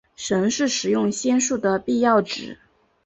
神是使用仙术的必要值。